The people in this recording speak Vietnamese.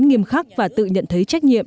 nghiêm khắc và tự nhận thấy trách nhiệm